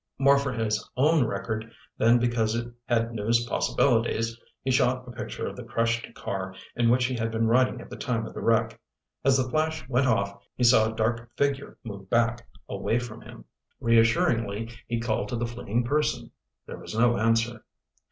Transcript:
More for his own record than because it had news possibilities, he shot a picture of the crushed car in which he had been riding at the time of the wreck. As the flash went off, he saw a dark figure move back, away from him. Reassuringly, he called to the fleeing person. There was no answer.